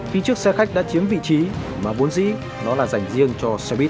khi chiếc xe khách đã chiếm vị trí mà vốn dĩ nó là dành riêng cho xe buýt